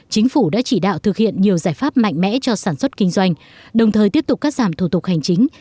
chính phủ đã chỉ đạo thực hiện nhiều giải pháp mạnh mẽ cho sản xuất kinh doanh đồng thời tiếp tục cắt giảm thủ tục hành chính